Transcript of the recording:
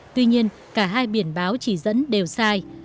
tuy nhiên cả hai biển báo chỉ dẫn đều sai